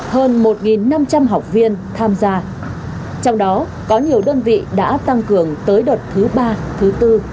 hơn một năm trăm linh học viên tham gia trong đó có nhiều đơn vị đã tăng cường tới đợt thứ ba thứ bốn